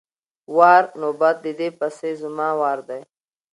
وار= نوبت، د دې پسې زما وار دی!